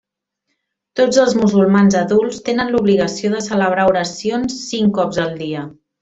Tots els musulmans adults tenen l'obligació de celebrar oracions cinc cops al dia.